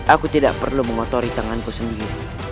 aku tidak perlu mengotori tanganku sendiri